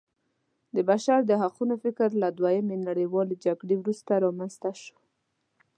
د بشر د حقونو فکر له دویمې نړیوالې جګړې وروسته رامنځته شو.